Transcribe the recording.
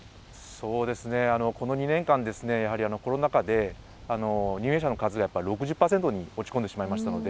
この２年間、やはりコロナ禍で入園者の数が６０％に落ち込んでしまいました。